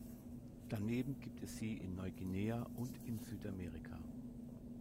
Daneben gibt es sie in Neuguinea und in Südamerika.